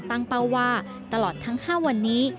เป้าว่าตลอดทั้ง๕วันนี้